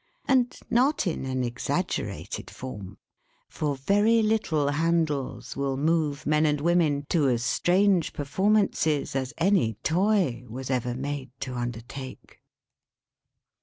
And not in an exaggerated form; for very little handles will move men and women to as strange performances, as any Toy was ever made to undertake.